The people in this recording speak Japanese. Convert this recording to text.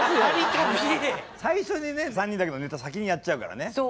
最初にね３人だけのネタ先にやっちゃうからね。